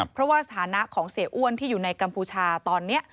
เพราะว่าสถานะของเสียอ้วนที่อยู่ในกัมพูชาตอนนี้